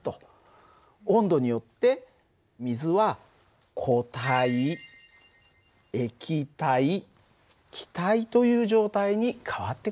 温度によって水は固体液体気体という状態に変わってくんだね。